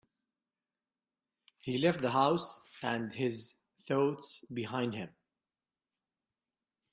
He left the house and his thoughts behind him.